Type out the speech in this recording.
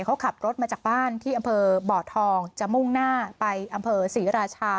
เขาขับรถมาจากบ้านที่อำเภอบ่อทองจะมุ่งหน้าไปอำเภอศรีราชา